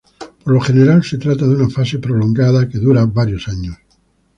Por lo general, se trata de una fase prolongada, que dura varios años.